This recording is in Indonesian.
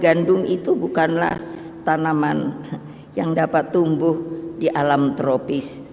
gandum itu bukanlah tanaman yang dapat tumbuh di alam tropis